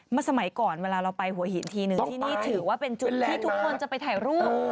สมัยก่อนเวลาเราไปหัวหินทีนึงที่นี่ถือว่าเป็นจุดที่ทุกคนจะไปถ่ายรูป